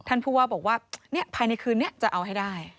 ผู้ว่าบอกว่าภายในคืนนี้จะเอาให้ได้